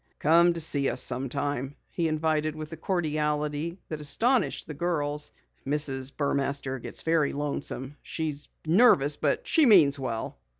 "Come to see us sometime," he invited with a cordiality that astonished the girls. "Mrs. Burmaster gets very lonesome. She's nervous but she means well."